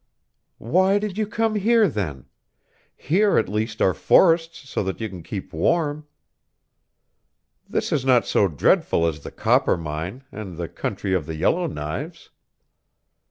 "Why did you come here, then? Here at least are forests so that you can keep warm. This is not so dreadful as the Coppermine, and the country of the Yellow Knives.